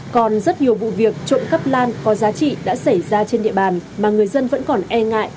còn rất nhiều vụ việc trộm cắp lan có giá trị đã xảy ra trên địa bàn mà người dân vẫn còn e ngại